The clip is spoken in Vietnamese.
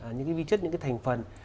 những vi chất những thành phần